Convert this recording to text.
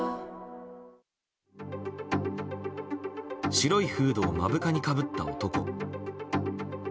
白いフードを目深にかぶった男。